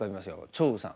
張栩さん。